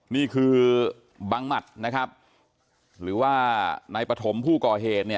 นี่คือบังมัดนะครับหรือว่าในประถมผู้กรเหตุ